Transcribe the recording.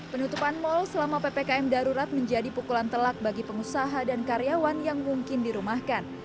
penutupan mal selama ppkm darurat menjadi pukulan telak bagi pengusaha dan karyawan yang mungkin dirumahkan